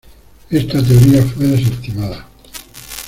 Esta teoría fue desestimada.